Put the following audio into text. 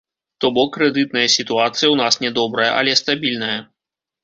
То бок, крэдытная сітуацыя ў нас не добрая, але стабільная.